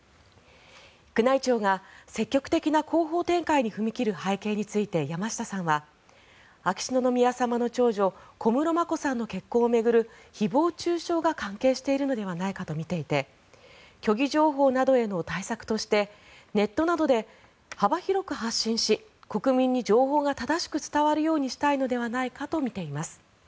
宮内庁が積極的な広報展開に踏み切る背景について山下さんは秋篠宮様の長女小室眞子さんの結婚を巡る誹謗・中傷が関係しているのではないかとみていて虚偽情報などへの対策としてネットなどで幅広く発信し国民に情報が正しく伝わるようにしたいのではないかと見ています。